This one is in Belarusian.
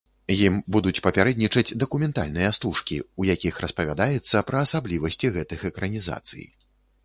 Ім будуць папярэднічаць дакументальныя стужкі, у якіх распавядаецца пра асаблівасці гэтых экранізацый.